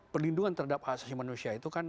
perlindungan terhadap asasi manusia itu kan